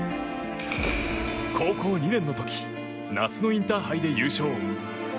高校２年の時夏のインターハイで優勝。